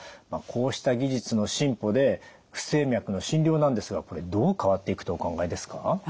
こうした技術の進歩で不整脈の診療なんですがこれどう変わっていくとお考えですか？